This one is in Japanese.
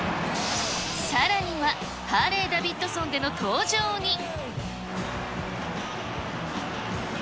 さらにはハーレーダビッドソンでの登場に。